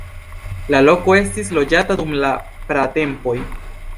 La loko estis loĝata dum la pratempoj.